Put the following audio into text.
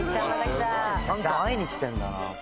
ちゃんと会いに来てるんだな。